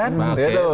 atau dia bertemu